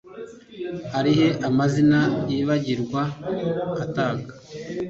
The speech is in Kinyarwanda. ari he amazina yibagirwa atag